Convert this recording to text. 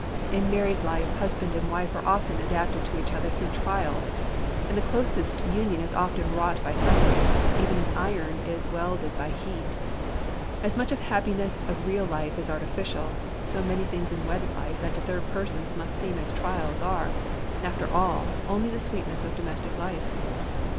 In married life husband and wife are often adapted to each other through trials, and the closest union is often wrought by suffering, even as iron is welded by heat. As much of the happiness of real life is artificial, so many things in wedded life that to third persons must seem as trials are, after all, only the sweetness of domestic life.